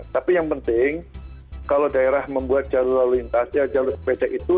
tapi yang penting kalau daerah membuat jalur lalu lintasnya jalur sepeda itu